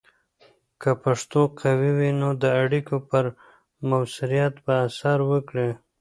که پښتو قوي وي، نو د اړیکو پر مؤثریت به اثر وکړي.